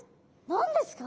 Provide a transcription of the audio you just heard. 何ですか？